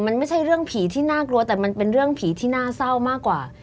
มันไม่ใช่เรื่องผีที่น่ากลัวแต่มันเป็นเรื่องผีที่น่าเศร้ามากกว่า